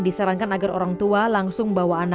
disarankan agar orang tua langsung bawa anak